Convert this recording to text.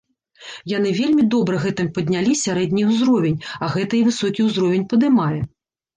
Яны вельмі добра гэтым паднялі сярэдні ўзровень, а гэта і высокі ўзровень падымае.